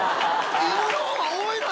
犬の方が多いのよ！